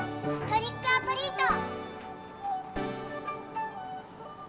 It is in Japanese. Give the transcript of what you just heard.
トリックオアトリート！